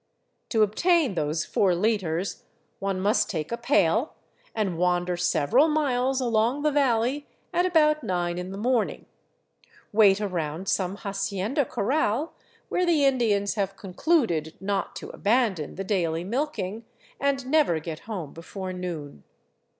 To obtain those four liters one must take a pail and wander several miles along the valley at about nine in the morning, wait around some hacienda corral where the Indians have concluded not to abandon the daily milking, and never get home before noon.